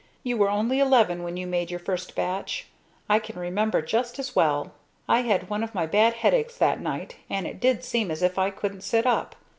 "You were only eleven when you made your first batch. I can remember just as well! I had one of my bad headaches that night and it did seem as if I couldn't sit up!